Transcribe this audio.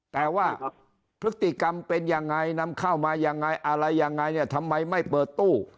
แต่ว่าพฤติกรรมเป็นยังไงนำเข้ามายังไงอะไรยังไงเนี่ยทำไมไม่เปิดตู้